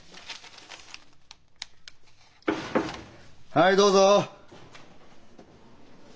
はいどうぞ。